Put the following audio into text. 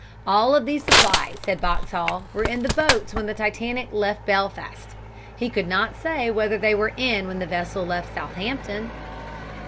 All of these supplies, said Boxhall, were in the boats when the Titanic left Belfast. He could not say whether they were in when the vessel left Southampton.